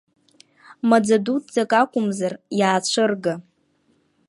Маӡа дуӡӡак акәымзар, иаацәырга…